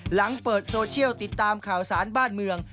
หลังเปิดโซเชียลติดตามข่าวสารบ้านเมือง